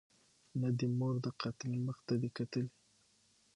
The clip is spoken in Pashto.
نه دي مور د قاتل مخ ته دي کتلي